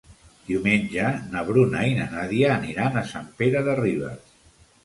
Diumenge na Bruna i na Nàdia aniran a Sant Pere de Ribes.